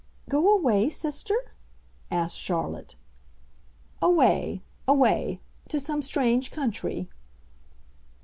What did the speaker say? "Go away, sister?" asked Charlotte. "Away—away; to some strange country."